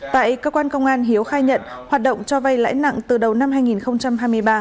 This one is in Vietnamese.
tại cơ quan công an hiếu khai nhận hoạt động cho vay lãi nặng từ đầu năm hai nghìn hai mươi ba